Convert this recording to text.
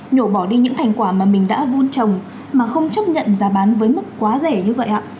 nhổ bỏ đi những thành quả mà mình đã vun trồng mà không chấp nhận giá bán với mức quá rẻ như vậy ạ